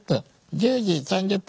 １０時３０分！